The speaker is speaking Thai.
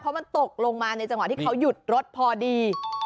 เพราะมันตกลงมาในจังหวะที่เขาหยุดรถพอดี